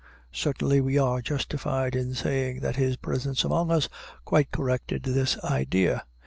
Certainly we are justified in saying that his presence among us quite corrected this idea.